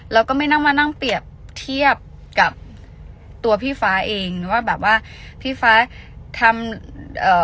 แล้วก็ไม่นั่งมานั่งเปรียบเทียบกับตัวพี่ฟ้าเองว่าแบบว่าพี่ฟ้าทำเอ่อ